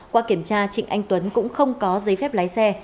qua kiểm tra trịnh anh tuấn cũng không có giấy phép lái xe